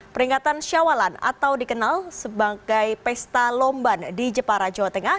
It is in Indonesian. peringatan syawalan atau dikenal sebagai pesta lomban di jepara jawa tengah